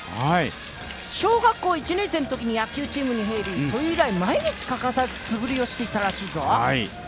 小学校１年生のときに野球チームに入りそれ以来、毎日欠かさず素振りをしていたらしいぞ。